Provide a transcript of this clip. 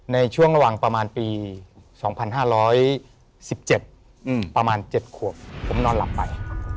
ในช่วงระหว่างประมาณปี๒๕๑๗ประมาณ๗ขวบผมนอนหลับไป